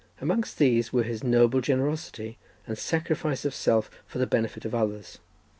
Amongst these were his noble generosity and sacrifice of self for the benefit of others.